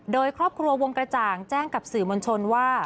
โดยครอบครัววงกระจ่างแจ้งกับสื่อมวลชนว่า